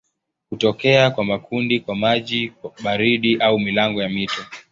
Hutokea kwa makundi kwa maji baridi au milango ya mito.